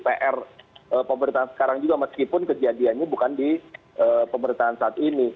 pr pemerintahan sekarang juga meskipun kejadiannya bukan di pemerintahan saat ini